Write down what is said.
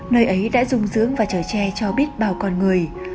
nơi ấy đã dung dưỡng và trở tre cho biết bao con người